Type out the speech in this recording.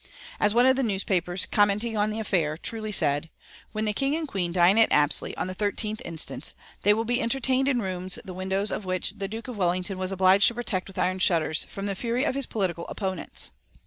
As one of the newspapers, commenting on the affair, truly said, "When the King and Queen dine at Apsley on the 13th inst. they will be entertained in rooms the windows of which the Duke of Wellington was obliged to protect with iron shutters from the fury of his political opponents."